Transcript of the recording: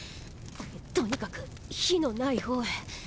とにかく火のない方へ。